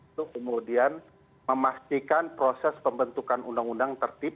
itu kemudian memastikan proses pembentukan undang undang tertib